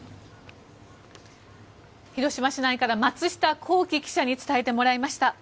広島市内から松下洸葵記者に伝えてもらいました。